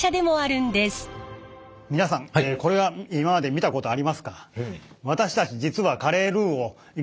皆さんこれは今まで見たことありますか？